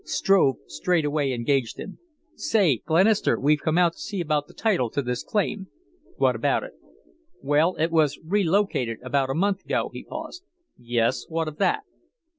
Struve straightway engaged him. "Say, Glenister, we've come out to see about the title to this claim." "What about it?" "Well, it was relocated about a month ago." He paused. "Yes. What of that?"